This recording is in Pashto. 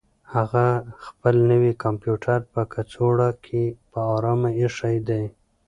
هغه خپل نوی کمپیوټر په کڅوړه کې په ارامه اېښی دی.